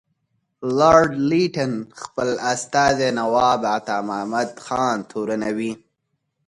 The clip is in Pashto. لارډ لیټن خپل استازی نواب عطامحمد خان تورنوي.